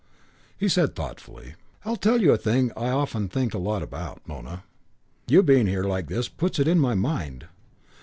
He said thoughtfully, "I tell you a thing I often think a lot about, Nona. You being here like this puts it in my mind.